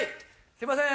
すいません。